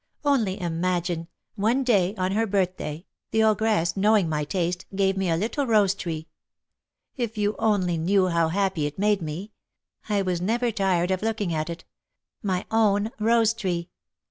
Only imagine, one day, on her birthday, the ogress, knowing my taste, gave me a little rose tree. If you only knew how happy it made me, I was never tired of looking at it, my own rose tree!